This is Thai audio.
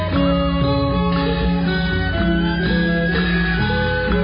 ทรงเป็นน้ำของเรา